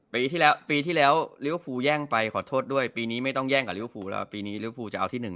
ปีที่แล้วปีที่แล้วลิเวอร์ฟูลแย่งไปขอโทษด้วยปีนี้ไม่ต้องแย่งกับลิเวฟูแล้วปีนี้ริวภูจะเอาที่หนึ่ง